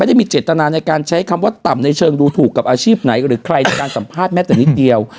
ได้มีเจตนาในการใช้คำว่าต่ำในเชิงดูถูกกับอาชีพไหนหรือใครในการสัมภาษณ์แม้แต่นิดเดียว